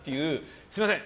すみません！